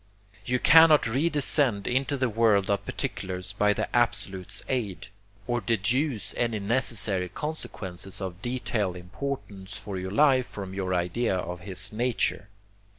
You cannot redescend into the world of particulars by the Absolute's aid, or deduce any necessary consequences of detail important for your life from your idea of his nature.